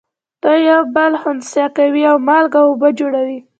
دوی یو بل خنثی کوي او مالګه او اوبه جوړوي.